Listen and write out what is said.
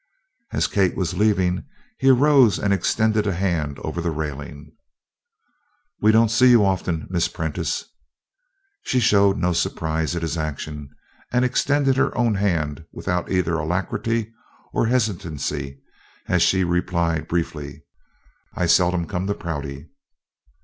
As Kate was leaving, he arose and extended a hand over the railing. "We don't see you often, Miss Prentice." She showed no surprise at his action and extended her own hand without either alacrity or hesitancy as she replied briefly: "I seldom come to Prouty."